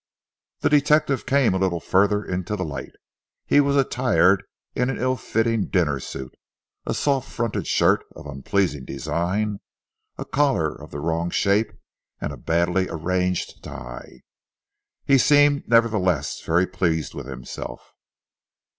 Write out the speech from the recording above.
The detective came a little further into the light. He was attired in an ill fitting dinner suit, a soft fronted shirt of unpleasing design, a collar of the wrong shape, and a badly arranged tie. He seemed, nevertheless, very pleased with himself.